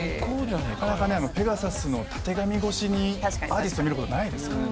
なかなかペガサスのたてがみ越しにアーティスト見ることないですから。